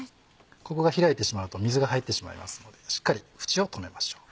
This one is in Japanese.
ここが開いてしまうと水が入ってしまいますのでしっかり縁を留めましょう。